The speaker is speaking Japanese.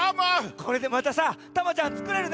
これでまたさタマちゃんつくれるね。